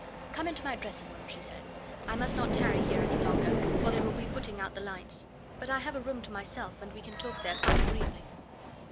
"Come into my dressing room," she said. "I must not tarry here any longer, for they will be putting out the lights. But I have a room to myself, and we can talk there quite agreeably."